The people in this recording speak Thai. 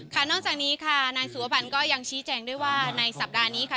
นอกจากนี้ค่ะนายสุวพันธ์ก็ยังชี้แจงด้วยว่าในสัปดาห์นี้ค่ะ